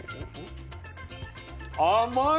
甘い！